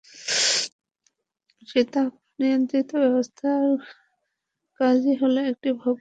শীতাতপনিয়ন্ত্রণ-ব্যবস্থার কাজই হলো একটি ভবনের বাসিন্দাদের জন্য আরামদায়ক তাপমাত্রার ব্যাপারটি নিশ্চিত করা।